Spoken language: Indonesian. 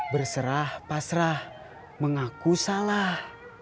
berserah pasrah mengaku salah